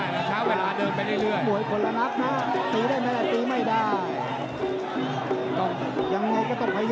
มันเป็นไปได้อย่างไร